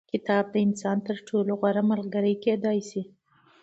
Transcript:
کتاب د انسان تر ټولو غوره ملګری کېدای سي.